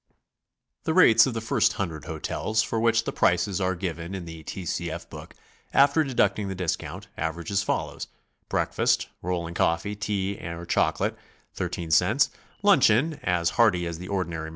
The rates of the first hundred hotels for which the prices arc given in the T. C. F. book, after deducting the discount, average as follows: Breakfast (roll and coffee, tea or choco late), 13 cts. ; luncheon (as hearty as the ordinary Am.